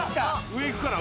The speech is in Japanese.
上行くかな？